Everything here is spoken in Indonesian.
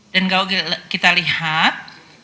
dan kalau kita lihat